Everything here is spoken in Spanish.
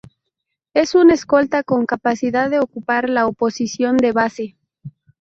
Es un escolta con capacidad de ocupar la oposición de base.